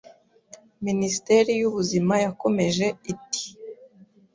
Minisiteri y’Ubuzima yakomeje iti